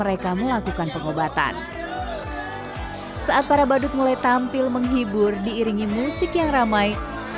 oke mas ipru bentar lagi mau tampil nih ya mas